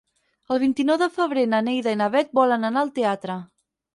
El vint-i-nou de febrer na Neida i na Bet volen anar al teatre.